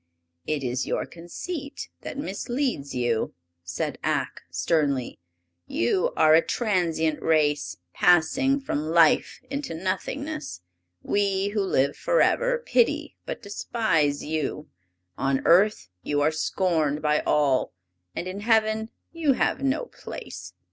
"It is your conceit that misleads you!" said Ak, sternly. "You are a transient race, passing from life into nothingness. We, who live forever, pity but despise you. On earth you are scorned by all, and in Heaven you have no place!